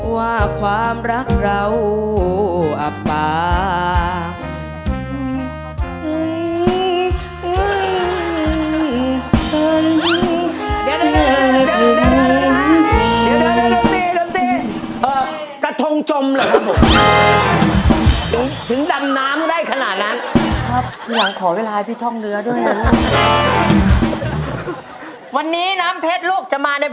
ว่าความรักเราอับปาก